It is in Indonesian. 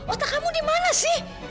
otak kamu dimana sih